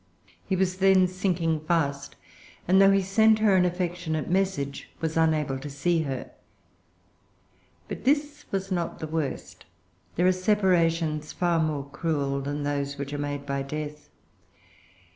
He was then sinking fast, and though he sent her an affectionate message, was unable to see her. But this was not the worst. There are separations far more cruel than those which are made by death.